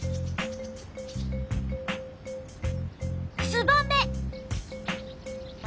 ツバメ。